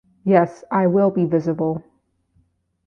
Yes, I will be visible.